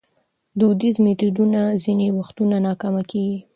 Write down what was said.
دودیز میتودونه ځینې وختونه ناکامه کېږي.